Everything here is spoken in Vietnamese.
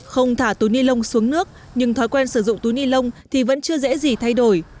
không thả túi ni lông xuống nước nhưng thói quen sử dụng túi ni lông thì vẫn chưa dễ gì thay đổi